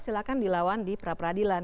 silahkan dilawan di pra peradilan